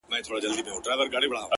اوس به ورته ډېر _ډېر انـتـظـار كوم _